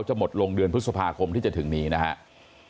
หมดลงเดือนพฤษภาคมที่จะถึงนี้นะครับ